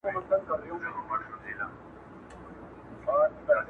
اوس د شپې نکلونه دي پېیلي په اغزیو٫